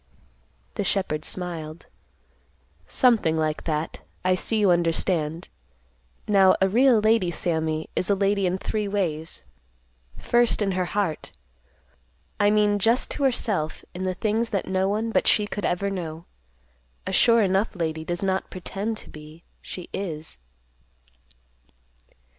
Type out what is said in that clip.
The shepherd smiled, "Something like that. I see you understand. Now a real lady, Sammy, is a lady in three ways: First, in her heart; I mean just to herself, in the things that no one but she could ever know. A 'sure enough' lady does not pretend to be; she _is."